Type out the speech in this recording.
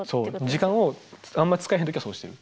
時間をあんま使えへん時はそうしてる。